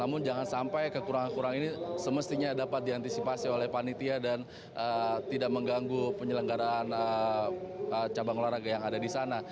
namun jangan sampai kekurangan kekurangan ini semestinya dapat diantisipasi oleh panitia dan tidak mengganggu penyelenggaraan cabang olahraga yang ada di sana